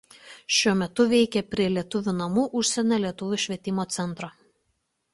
Šiuo metu veikia prie Lietuvių namų Užsienio lietuvių švietimo centro.